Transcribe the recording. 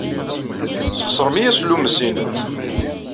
Tesxeṣrem-iyi aslummes-inu!